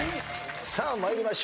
さあ参りましょう。